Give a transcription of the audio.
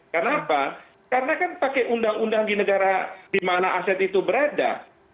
karena apa karena kan pakai undang undang di negara di mana aset itu berada